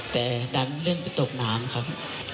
แต่ดันเล่นไปตกน้ำครับ